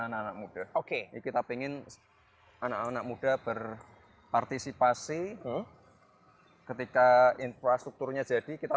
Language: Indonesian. anak anak muda oke kita ingin anak anak muda berpartisipasi ketika infrastrukturnya jadi kita